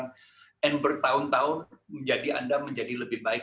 dan bertahun tahun menjadi anda menjadi lebih baik